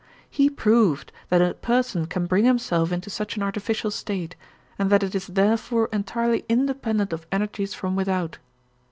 He proved that a person can bring himself into such an artificial state and that it is therefore entirely independent of energies from without.